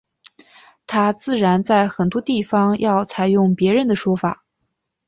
他自然在很多地方要采用别人的说法。